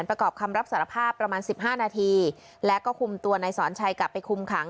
ประกอบคำรับสารภาพประมาณสิบห้านาทีแล้วก็คุมตัวนายสอนชัยกลับไปคุมขัง